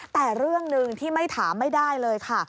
แต่เรื่องหนึ่งที่ไม่ถามไม่ได้เลยค่ะ